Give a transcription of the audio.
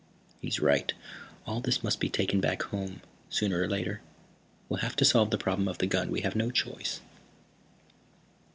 He's right: all this must be taken back home, sooner or later. We'll have to solve the problem of the gun. We have no choice."